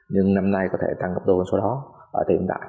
nhưng năm nay có thể tăng cộng đô số đó ở hiện tại